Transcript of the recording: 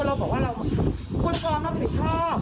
เราก็บอกว่าคุณควรทำผิดชอบ